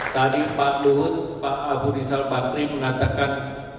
tadi pak luhut pak abu rizal bakri mengatakan